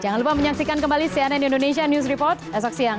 jangan lupa menyaksikan kembali cnn indonesia news report esok siang